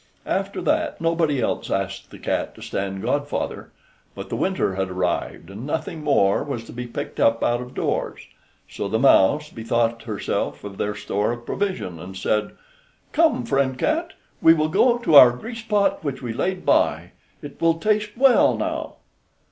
After that nobody else asked the cat to stand godfather; but the winter had arrived, and nothing more was to be picked up out of doors; so the mouse bethought herself of their store of provision, and said, "Come, friend cat, we will go to our grease pot which we laid by; it will taste well now."